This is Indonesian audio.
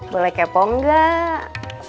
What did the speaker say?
boleh kepo nggak